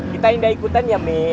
kita indah ikutan ya mel